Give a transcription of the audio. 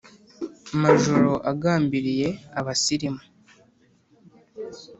Majoro agambiriye Abasilimu